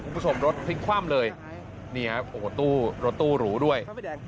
โคตรรถตู้หรูด้วย